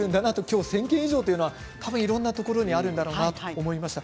１０００件以上というのはいろんなところにあるんだなと思いました。